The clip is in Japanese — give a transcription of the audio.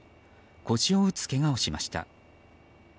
腰を打つけがをしました。